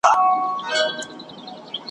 نه په خوله کي یې لرل تېره غاښونه ,